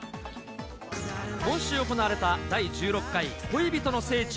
今週行われた、第１６回恋人の聖地